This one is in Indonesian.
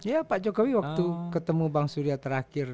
ya pak jokowi waktu ketemu bang surya terakhir